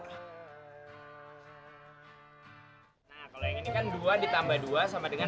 nah kalau yang ini kan dua ditambah dua sama dengan